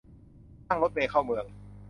นั่งรถเมล์เข้าเมือง